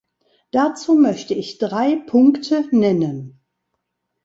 Dazu möchte ich drei Punkte nennen.